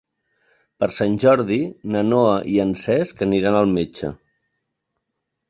Per Sant Jordi na Noa i en Cesc aniran al metge.